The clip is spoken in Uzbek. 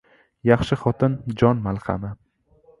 Yaxshi xotin — jon malhami.